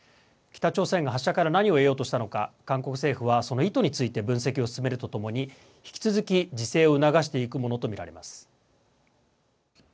北朝鮮が発射から何を得ようとしたのか韓国政府はその意図について分析を進めるとともに引き続き自制を促していくものと見られます。